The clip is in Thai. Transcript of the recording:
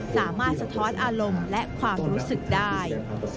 สะท้อนอารมณ์และความรู้สึกได้